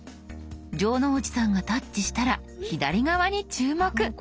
城之内さんがタッチしたら左側に注目。